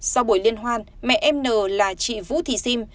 sau buổi liên hoan mẹ em n là chị vũ thị sim